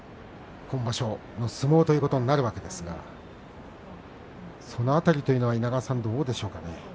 今場所の相撲ということになるわけですがその辺りというのは稲川さん、どうでしょうかね。